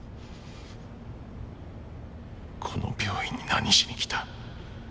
この病院に何しに来た？